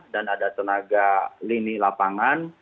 dan ada tenaga lini lapangan